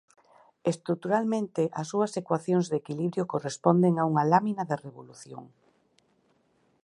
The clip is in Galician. Estruturalmente as súas ecuacións de equilibrio corresponden a unha lámina de revolución.